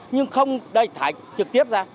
nhưng không thải trực tiếp ra